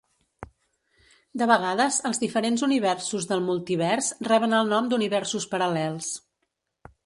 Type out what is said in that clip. De vegades, els diferents universos del multivers reben el nom d'universos paral·lels.